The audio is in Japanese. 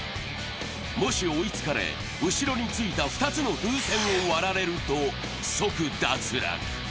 もし追いつかれ、後ろについた２つの風船を割られると即脱落。